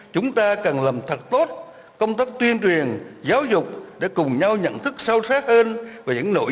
chúng ta cần làm thật tốt công tác tuyên truyền giáo dục để cùng nhau nhận thức sâu sắc hơn về những nội dung